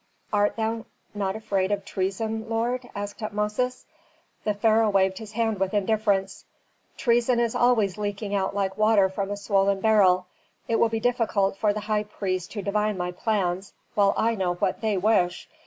"Art thou not afraid of treason, lord?" asked Tutmosis. The pharaoh waved his hand with indifference. "Treason is always leaking out like water from a swollen barrel. It will be difficult for the high priests to divine my plans, while I know what they wish.